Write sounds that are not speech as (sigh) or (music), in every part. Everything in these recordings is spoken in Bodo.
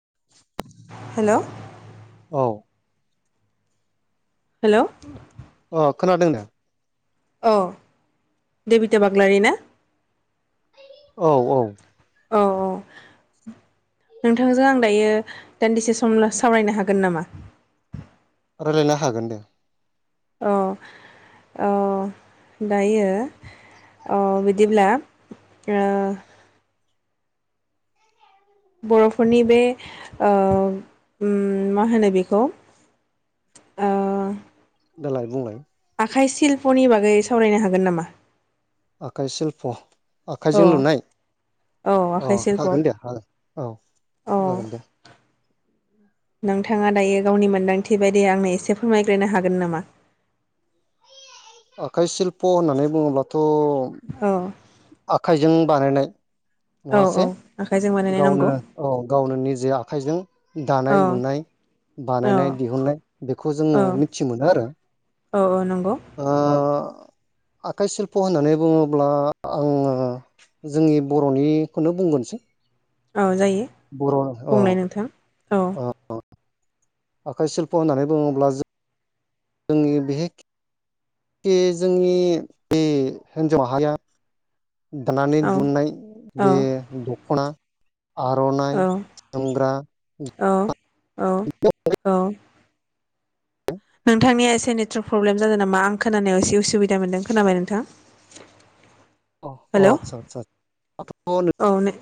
(unintelligible) हेल' औ हेल' औ अ खोनादों दा? औ देबिता बाग्लारि ना? औ औ औ औ नोंथांजों आं दायो दान्दिसे सम सावरायनो हागोन नामा? रायलायनो हागोन दे। अ औ दायो औ बिदिब्ला ओ बर'फोरनि बे ओ उम मा होनो बेखौ ओ दालाय बुंलाय आखाइ सिल्पनि बागै सावरायनो हागोन नामा? आखाइ सिल्प' औ आखाइजों लुनाय औ अ आखाइ सिल्प' हागोन दे हागोन अ औ जागोन दे। नोंथाङा दायो गावनि मोनदांथि बायदि आंनो एसे फोरमायग्रोनो हागोन नामा? आखाइ सिल्प' होननानै बुङोब्लाथ' औ आखाइजों बानायनाय औ औ नङासे आखाइजों बानायनाय गावनो नंगौ औ गावनो निजा आखाइजों दानाय औ लुनाय औ बानायनाय दिहुननाय बेखौ औ जोङो मिथि मोनो आरो औ नंगौ ओ आखाइ सिल्प' होननानै बुङोब्ला आङो जोंनि बर'निखोनो बुंगोनसै औ जायो बर' अ बुंलाय नोंथां औ अ आखाइ शिल्प' होननानै बुङोब्ला जो जोंनि बेेक खे जोंनि बे हिन्जाव माहारिया दानानै औ दिहुननाय बे दख'ना औ आर'नाइ जोमग्रा औ औ औ नोंथांनिया एसे नेटवर्क प्रब्लेम जादों नामा आं खोनानायाव एसे उसुबिदा मोनदों खोनाबाय नोंथां? अ अ हेलौ आतसा आतसा औ ने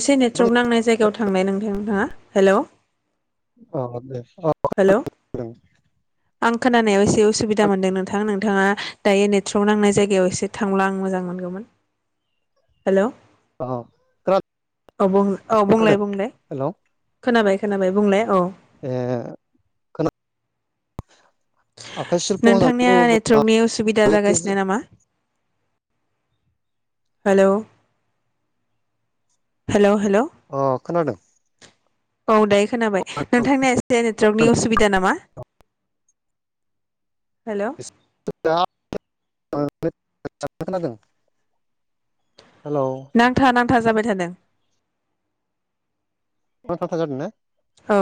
एसे नेटवर्क नांनाय जायगायाव थांनाय नोंथां नोंथाङा हेलौ अ दे अ हेल' आं (unintelligible) खोनानायाव एसे असुबिदा मोन्दों नोंथां नोंथाङा दायो नेटर्क नांनाय जायगायाव एसे थांला आं मोजां मोनगौमोन। हेल' औ अ औ बु खोनादों बुंलाय बुंलाय हेलौ खोनाबाय। खोनाबाय बुंलाय औ। ए खोना आखाइ सिल्प' होननानै नोंथांनिया बुङोब्ला नेटवर्कनि उसुबिदा एखे जागासिनो नामा? हेल' हेल'। अ खोनादों। औ दायो खोनाबाय नोंथांनि एसे नेटवर्कनि असुबिदा नामा? हेल'। (unintelligible) नांथा नां नांथा जाबाय थादों। नांथा नांथा जादों ने? अ।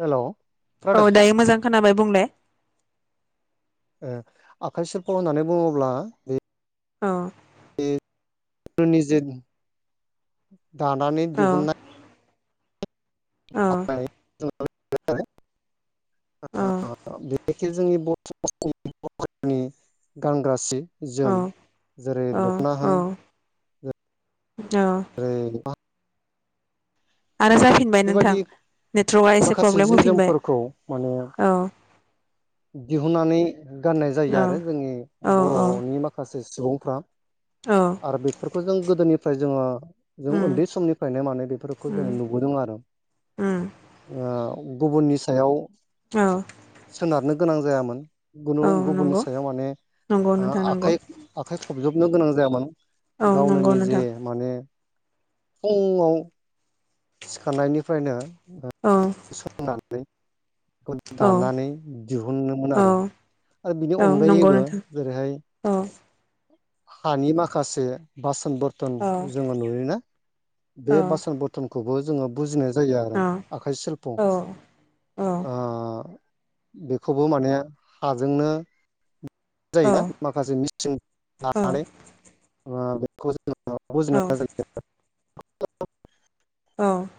हेल'। औ दायो मोजां। खोनाबाय बुंलाय। ओ आखाइ सेरफाव होननानै बुङोब्ला बे औ। निजे दानानै औ दिहुननाय औ (unintelligible) औ जोंनि बर' बर' रिनि गानग्रा जि जोम जेरै औ दख'ना होन औ। जेरै आरो जाफिनबाय नोंथां बेबायदि नेटवर्कआ एसे माखासे प्रब्लेम जि होफिनबाय जोमफोरखौ माने औ। दिहुननानै गाननाय जायो औ आरो जोंनि औ औ बर'नि माखासे सुबुंफ्रा औ आरो बेफोर खौ जों गोदोनिफ्राय जोङो जों उम उन्दै समनिफ्रायनो माने बेफोरखौ जों उम नुबोदों आरो उम ओ गुबुननि सायाव औ। सोनारनो गोनां जायामोन। गुनु औ गुबुननि नंगौ सायाव माने नंगौ ओ नोंथां नंगौ आखाइ आखाइ खबजोबनो गोनां जायामोन। औ गावनो नंगौ निजे नोंथां माने ओं औ सिखारनायनिफ्रायनो ओ औ सोंनानै (inaudible) औ दानानै दिहुनोमोन औ आरो आरो बिनि औ नंगौ अनगायैबो नोंथां जेरैहाय औ हानि माखासे बा सन बर्थन औ जोङो नुयोना? बे औ बासोन बरथनखौबो। जोंङो बुजिनाय जायो आरो औ आखाइ सिल्प' ओ। औ-औ-औ-औ-औ-औ-औ-औ-औ बेखौबो माने हाजोंनो जायोना माखासे मि (inaudible) लानानै (inaudible) बेखौ जों (unintelligible) (inaudible) औ (inaudible)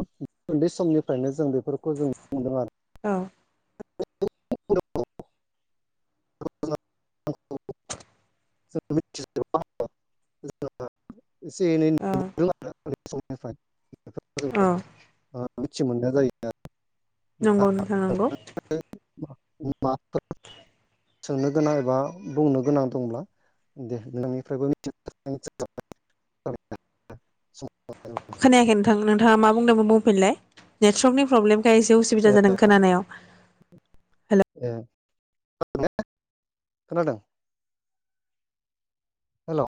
(inaudible) उन्दै समनिफ्रायनो जों बेफोरखौ जों (inaudible) आरो औ (unintelligible) (unintelligible) (unintelligible) एसे एनै नु (unintelligible) आरो उन्दै समनिफ्राइ अ निसे मोननाया जायो दा नंगौ नोंथां नंगौ। म सोंनो गोनां एबा बुंनो गोनां दंब्ला दे नोंनिफ्रायबो (unintelligible) खोनायाखै नोंथां नोंथाङा मा बुंदोंमोन? फलाय नेटवर्कनि प्रब्लेम। बेाय एसे उसुबिदा जादों खोनानायाव हेल' (unintelligible) खोनादों हेल'